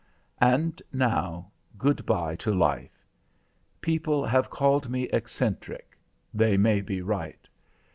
And now, good bye to life. People have called me eccentric, they may be right.